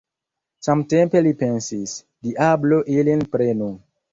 Samtempe li pensis: Diablo ilin prenu!